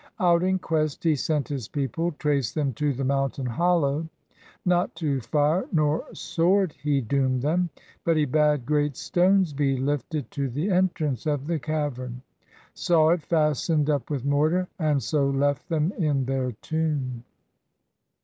Out in quest he sent his people, Traced them to the mountain hollow. Not to fire nor sword he doomed them; But he bade great stones be lifted To the entrance of the cavern; Saw it fastened up with mortar; And so left them in their tomb.